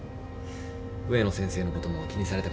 植野先生のことも気にされてました。